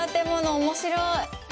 おもしろい。